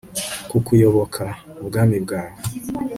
kukuyoboka, ubwami bwawe